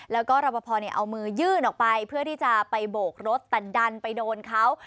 แล้วก็รับประพอเอามือยื่นออกไปเพื่อที่จะไปโบกรถแต่ดันไปโดนเขา